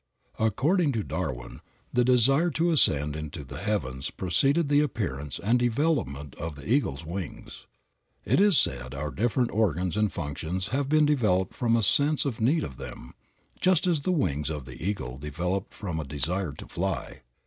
According to Darwin, the desire to ascend into the heavens preceded the appearance and development of the eagle's wings. It is said our different organs and functions have been developed from a sense of need of them, just as the wings of the eagle developed from a desire to fly.